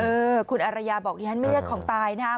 เออคุณอารยาบอกนี้ไม่ใช่ของตายนะ